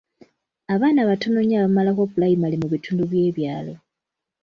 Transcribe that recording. Abaana batono nnyo abamalako pulayimale mu bitundu by'ebyalo.